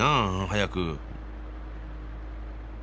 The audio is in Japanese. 早く。